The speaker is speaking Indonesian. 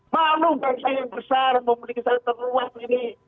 malu bangsa yang besar memiliki cara terluas ini